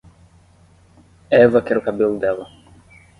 Eva quer o cabelo dela.